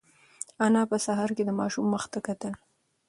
انا په سهار کې د ماشوم مخ ته کتل.